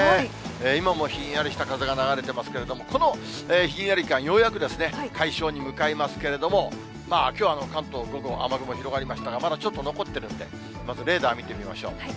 今もひんやりした風が流れてますけれども、このひんやり感、ようやく解消に向かいますけれども、きょうは関東、午後、雨雲広がりましたが、まだちょっと残ってるんで、まずレーダー見てみましょう。